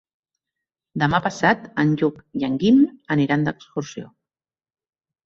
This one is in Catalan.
Demà passat en Lluc i en Guim aniran d'excursió.